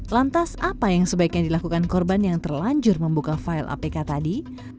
lantas apa yang sebaiknya dilakukan korban yang terlanjur membuka file apk tadi